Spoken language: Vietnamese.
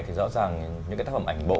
thì rõ ràng những cái tác phẩm ảnh bộ